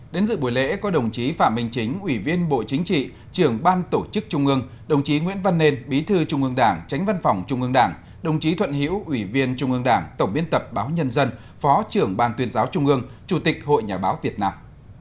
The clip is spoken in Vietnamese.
đến dự buổi lễ có đồng chí phạm minh chính ủy viên bộ chính trị trưởng ban tổ chức trung ương đồng chí nguyễn văn nên bí thư trung ương đảng tránh văn phòng trung ương đảng đồng chí thuận hiễu ủy viên trung ương đảng tổng biên tập báo nhân dân phó trưởng ban tuyên giáo trung ương chủ tịch hội nhà báo việt nam